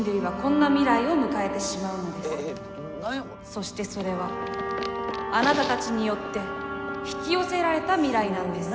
そしてそれはあなたたちによって引き寄せられた未来なんです。